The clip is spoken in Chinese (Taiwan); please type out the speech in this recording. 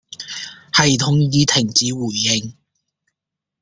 系統已停止回應